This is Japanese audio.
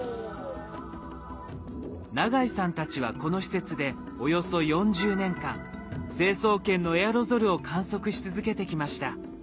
永井さんたちはこの施設でおよそ４０年間成層圏のエアロゾルを観測し続けてきました。